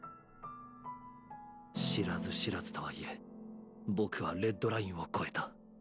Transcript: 知らず知らずとはいえ僕は「レッドライン」を越えた。